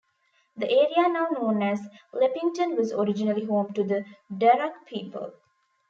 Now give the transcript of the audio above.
The area now known as Leppington was originally home to the Darug people.